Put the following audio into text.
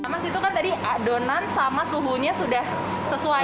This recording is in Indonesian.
mas itu kan tadi adonan sama suhunya sudah sesuai